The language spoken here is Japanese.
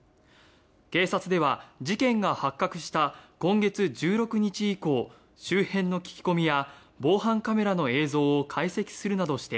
警察では事件が発覚した今月１６日以降周辺の聞き込みや防犯カメラの映像を解析するなどして